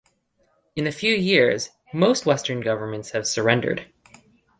In a few years, most Western governments have surrendered.